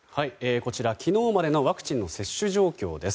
昨日までのワクチンの接種状況です。